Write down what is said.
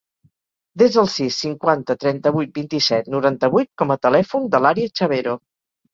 Desa el sis, cinquanta, trenta-vuit, vint-i-set, noranta-vuit com a telèfon de l'Arya Chavero.